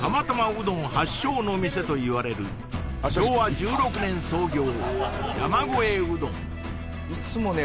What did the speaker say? うどん発祥の店といわれる昭和１６年創業山越うどんいつもね